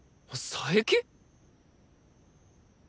佐伯！？